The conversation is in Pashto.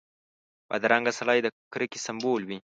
بدرنګه سړی د کرکې سمبول وي